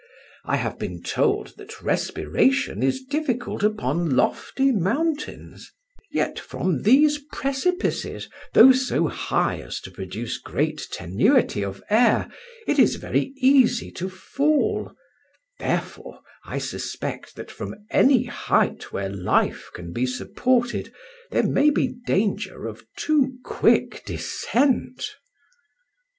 I have been told that respiration is difficult upon lofty mountains, yet from these precipices, though so high as to produce great tenuity of air, it is very easy to fall; therefore I suspect that from any height where life can be supported, there may be danger of too quick descent."